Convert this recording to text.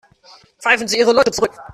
Pfeifen Sie Ihre Leute zurück.